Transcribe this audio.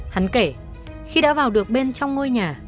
hắn kể khi đã vào được bên trong ngôi nhà